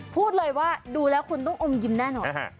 พูดเลยว่าดูแล้วคุณต้องอมยิ้มแน่นอน